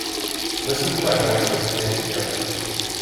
Listen to my voice and think carefully.